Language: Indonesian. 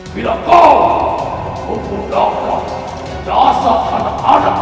bila kau mempunyai dasar anak si wangi